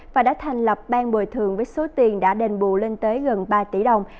và đã thành lập ban bồi thường với số tiền đã đền bù lên tới gần ba tỷ đồng